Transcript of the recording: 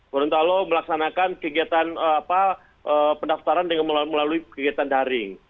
gorontalo melaksanakan kegiatan pendaftaran dengan melalui kegiatan daring